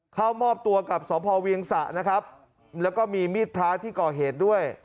เข้ามอบตัวกับสพเวียงสะนะครับแล้วก็มีมีดพระที่ก่อเหตุด้วย